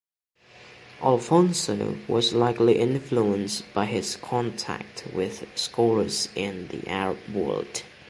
Alfonso was likely influenced by his contact with scholars in the Arab world.